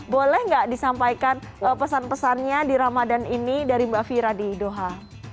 boleh nggak disampaikan pesan pesannya di ramadan ini dari mbak fira di doha